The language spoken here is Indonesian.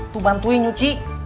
tuh bantuin nyuci